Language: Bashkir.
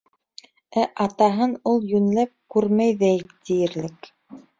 Ә атаһын ул йүнләп күрмәй ҙә тиерлек.